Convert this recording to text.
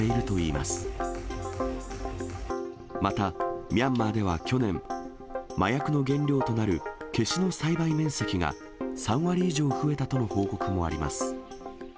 また、ミャンマーでは去年、麻薬の原料となるケシの栽培面積が、３割以上増えたとの報告もあります。